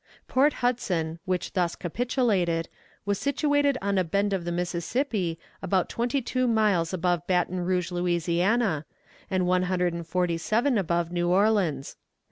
Port Hudson, which thus capitulated, was situated on a bend of the Mississippi, about twenty two miles above Baton Rouge, Louisiana, and one hundred and forty seven above New Orleans.